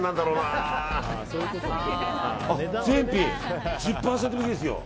あ、全品１０％引きですよ。